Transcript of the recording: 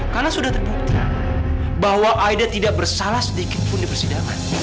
karena sudah terbukti bahwa aida tidak bersalah sedikit pun di persidangan